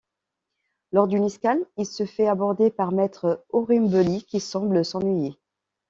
Lors d'une escale il se fait aborder par Maître Orimbelli qui semble s'ennuyer.